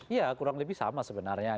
iya kurang lebih sama sebenarnya